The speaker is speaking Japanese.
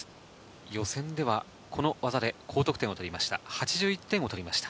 予選ではこの技で高得点を取りました。